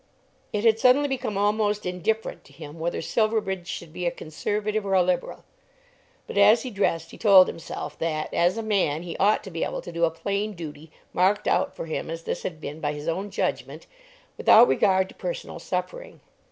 It had suddenly become almost indifferent to him whether Silverbridge should be a Conservative or a Liberal. But as he dressed he told himself that, as a man, he ought to be able to do a plain duty, marked out for him as this had been by his own judgment, without regard to personal suffering.